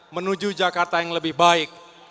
menuju jakarta yang lebih baik